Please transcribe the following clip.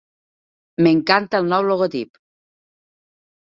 M'encanta el nou logotip!